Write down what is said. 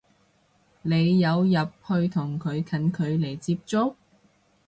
你有入去同佢近距離接觸？